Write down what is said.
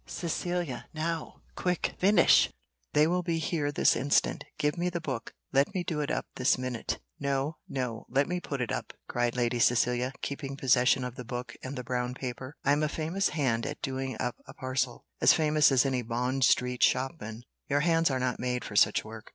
Cecilia, now, quick, finish; they will be here this instant. Give me the book; let me do it up this minute." "No, no; let me put it up," cried Lady Cecilia, keeping possession of the book and the brown paper. "I am a famous hand at doing up a parcel, as famous as any Bond Street shopman: your hands are not made for such work."